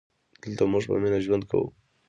دلته مونږ په مینه ژوند کوو